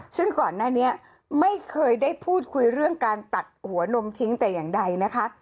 ซึ่งก่อนหน้านี้ไม่เคยได้พูดคุยเรื่องการตัดหัวนมทิ้งแต่อย่างใดนะคะ